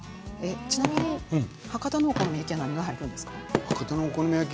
博多のお好み焼きは何が入るんですか？